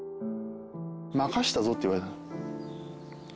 任せたぞって言われたんです。